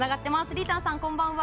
りーたんさん、こんばんは。